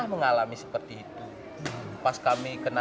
sebenarnya apa bentuk atau visi kemanusiaan mereka